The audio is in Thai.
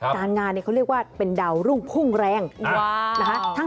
การงานเขาเรียกว่าเป็นดาวรุ่งพุ่งแรง